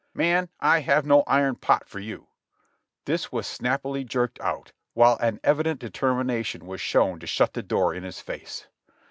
"Man, I have no iron pot for you!" This was snappily jerked out, while an evident determination was shown to shut the door in his face.